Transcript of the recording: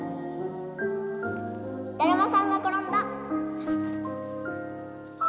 だるまさんがころんだ！